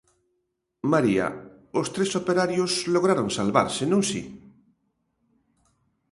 María, os tres operarios lograron salvarse, non si?